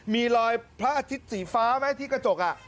มีรอยพระอาทิตย์สีฟ้าไหมที่กระจก